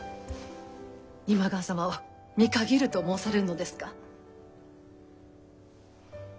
今川様を見限ると申されるのですか？